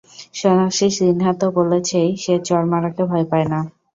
সোনাক্ষী সিনহা তো বলেছেই সে চড় মারাকে ভয় পায় না।